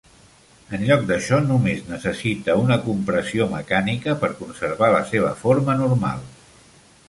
En lloc d'això, només necessita una compressió mecànica per conservar la seva forma normal.